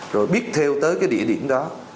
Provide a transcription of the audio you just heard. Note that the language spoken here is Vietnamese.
rồi biết thêu tới cái địa điểm đó